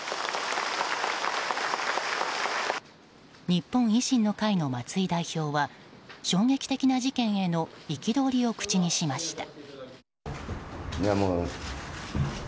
日本維新の会の松井代表は衝撃的な事件への憤りを口にしました。